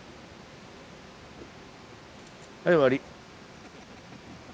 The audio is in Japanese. はい終わり。